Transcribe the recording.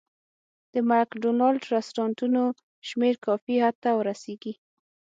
د مک ډونالډ رستورانتونو شمېر کافي حد ته ورسېږي.